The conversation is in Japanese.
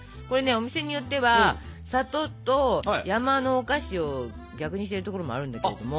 お店によっては「里」と「山」のお菓子を逆にしてるところもあるんだけれども。